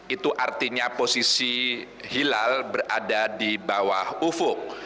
itu artinya posisi hilal berada di bawah ufuk